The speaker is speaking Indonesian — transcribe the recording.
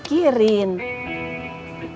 maksananya apa yang dipikirin